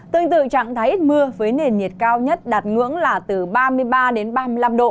tương tự trạng thái ít mưa với nền nhiệt cao nhất đạt ngưỡng là từ ba mươi ba đến ba mươi năm độ